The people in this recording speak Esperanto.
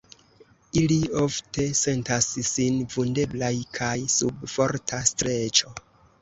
Ili ofte sentas sin vundeblaj kaj sub forta streĉo.